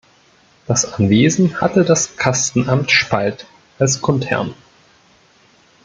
Das Anwesen hatte das Kastenamt Spalt als Grundherrn.